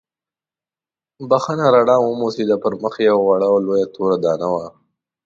بښنه رڼا وموسېده، پر مخ یې یوه وړه او لویه توره دانه وه.